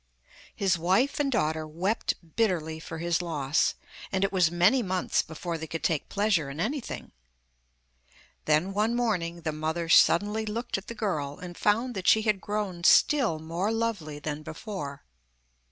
His wife and daughter wept bitterly for his loss, and it was many months before they could take pleasure in anything. Then one morning the mother suddenly looked at the girl, and found that she had grown still more lovely than before.